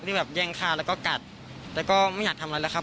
แบบแย่งคาแล้วก็กัดแต่ก็ไม่อยากทำอะไรแล้วครับ